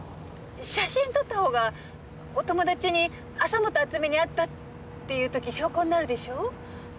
写真撮った方がお友達に「浅元あつみに会った」って言う時証拠になるでしょ？